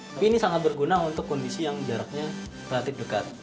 tapi ini sangat berguna untuk kondisi yang jaraknya relatif dekat